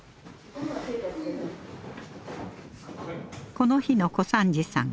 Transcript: この日の小三治さん。